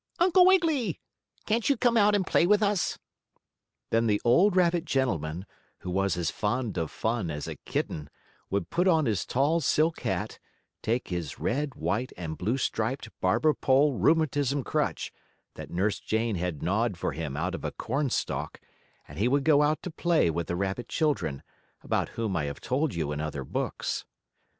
Uncle Wiggily! Can't you come out and play with us?" Then the old rabbit gentleman, who was as fond of fun as a kitten, would put on his tall silk hat, take his red, white and blue striped barber pole rheumatism crutch, that Nurse Jane had gnawed for him out of a corn stalk, and he would go out to play with the rabbit children, about whom I have told you in other books.